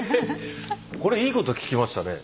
これいいこと聞きましたね。